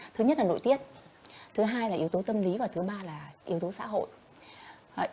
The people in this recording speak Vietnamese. thứ nhất là nội tiết thứ hai là yếu tố tâm lý và thứ ba là yếu tố xã hội